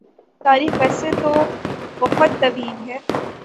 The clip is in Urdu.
تاریخ ویسے تو بہت طویل ہے